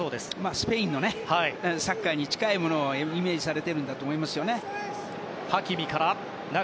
スペインのサッカーに近いものをイメージされているんだと思いますよね。